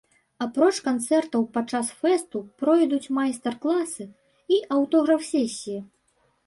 Апроч канцэртаў падчас фэсту пройдуць майстар-класы і аўтограф-сесіі.